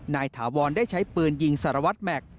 นายถาวรได้ใช้ปืนยิงสารวัฒน์แม็ก